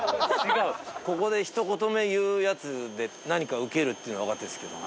ここで一言目言うやつで何かウケるっていうのは分かってるんですけど。